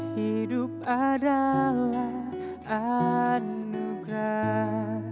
hidup adalah anugerah